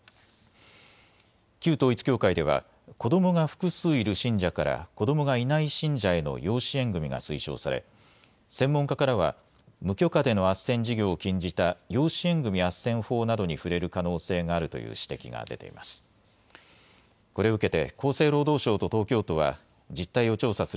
旧統一教会では子どもが複数いる信者から子どもがいない信者への養子縁組みが推奨され専門家からは無許可でのあっせん事業を禁じた養子縁組あっせん法などに触れる可能性があるという指摘が出ています。